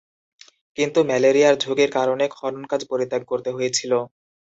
কিন্তু, ম্যালেরিয়ার ঝুঁকির কারণে খনন কাজ পরিত্যাগ করতে হয়েছিল।